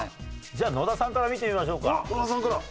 じゃあ野田さんから見てみましょうか。